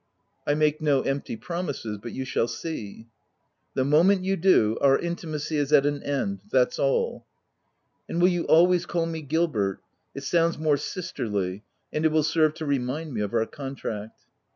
" I make no empty promises, but you shall see." " The moment you do, our intimacy is at an end, that's all." "And will you always call me Gilbert?— it OF WILDFELL HALL, 185 sounds more sisterly, and it will serve to remind me of our contract."